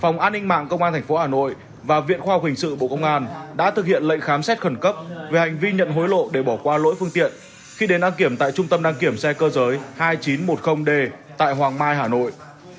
phòng an ninh mạng công an tp hà nội và viện khoa học hình sự bộ công an đã thực hiện lệnh khám xét khẩn cấp về hành vi nhận hối lộ để bỏ qua lỗi phương tiện khi đến đăng kiểm tại trung tâm đăng kiểm xe cơ giới hai nghìn chín trăm một mươi d tại hoàng mai hà nội